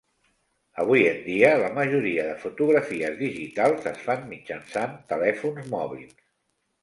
Avui en dia la majoria de fotografies digitals es fan mitjançant telèfons mòbils.